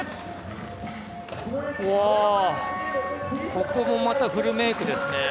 ここもまたフルメイクですね。